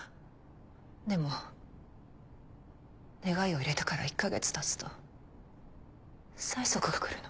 でも願いを入れてから１か月たつと催促が来るの。